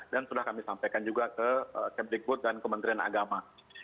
dan sudah kami sampaikan juga ke kepikbud dan kementerian agama